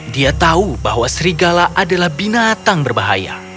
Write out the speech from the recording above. dia tahu bahwa serigala adalah binatang berbahaya